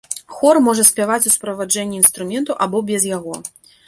Хор можа спяваць у суправаджэнні інструментаў або без яго.